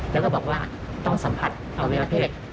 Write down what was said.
แล้วก็บอกว่าต้องสัมผัสอวัยวะเพศ